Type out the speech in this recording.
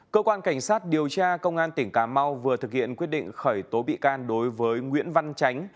cơ quan cảnh sát điều tra công an tỉnh cà mau vừa thực hiện quyết định khởi tố bị can đối với nguyễn văn tránh